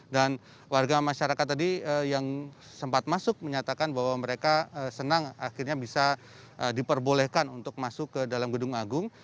dan warga masyarakat tadi yang sempat masuk menyatakan bahwa mereka senang akhirnya bisa diperbolehkan untuk masuk ke dalam gedung agung